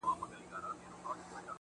د چا د خلې نه چې زما په کردار ډزې کېدې